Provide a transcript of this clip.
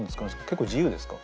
結構自由ですか？